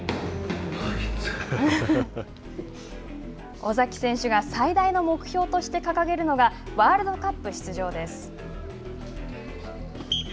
尾崎選手が最大の目標として掲げるのがワールドカップ出場です。